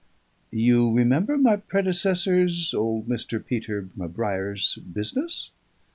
"You remember my predecessor's, old Peter M'Brair's business?"